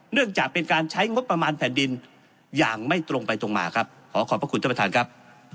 เนื่องจากเป็นการใช้งบประมาณแผ่นดินอย่างไม่ตรงไปตรงมาครับขอขอบพระคุณท่านประธานครับ